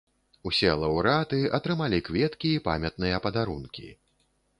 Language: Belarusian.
Усе лаўрэаты атрымалі кветкі і памятныя падарункі.